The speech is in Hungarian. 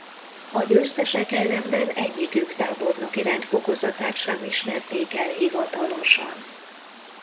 A győztesek ellenben egyikük tábornoki rendfokozatát sem ismerték el hivatalosan.